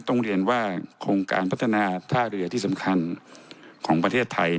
ต้องเรียนว่าโครงการพัฒนาท่าเรือที่สำคัญของประเทศไทย